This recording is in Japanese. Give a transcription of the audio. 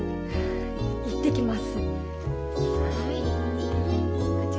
行ってきます。